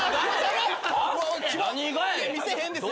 見せへんですよ。